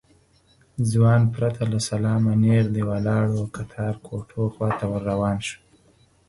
ځوان پرته له سلامه نېغ د ولاړو کتار کوټو خواته ور روان شو.